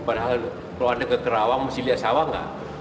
padahal kalau anda ke kerawang mesti lihat sawah nggak